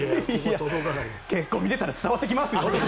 結構、見てたら伝わってきますよ。